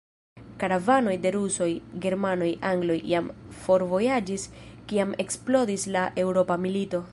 Karavanoj de Rusoj, Germanoj, Angloj jam forvojaĝis, kiam eksplodis la eŭropa milito.